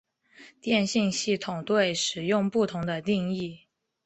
电信系统对使用不同的定义。